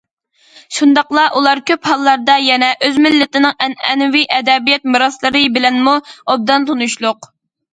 شۇنداقلا ئۇلار كۆپ ھاللاردا يەنە ئۆز مىللىتىنىڭ ئەنئەنىۋى ئەدەبىيات مىراسلىرى بىلەنمۇ ئوبدان تونۇشلۇق.